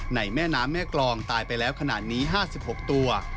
แม่น้ำแม่กรองตายไปแล้วขนาดนี้๕๖ตัว